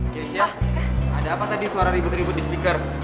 keisha ada apa tadi suara ribut ribut di speaker